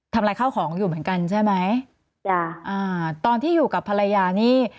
ลายข้าวของอยู่เหมือนกันใช่ไหมจ้ะอ่าตอนที่อยู่กับภรรยานี่